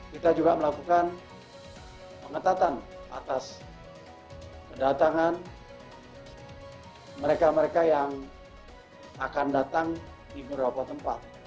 kita juga melakukan pengetatan atas kedatangan mereka mereka yang akan datang di beberapa tempat